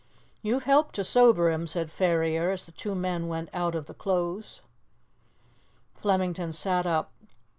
"You've helped to sober him," said Ferrier, as the two men went out of the close. Flemington sat up.